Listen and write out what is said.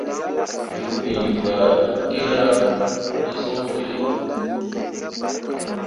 Jilkpiŋ gbah gira ne son puli.